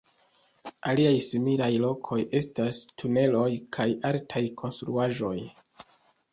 Aliaj similaj lokoj estas tuneloj kaj altaj konstruaĵoj.